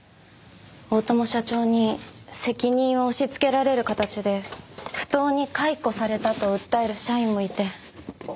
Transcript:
大友社長に責任を押しつけられる形で不当に解雇されたと訴える社員もいて。